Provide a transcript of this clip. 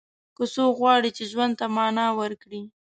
که څوک غواړي چې ژوند ته معنا ورکړي.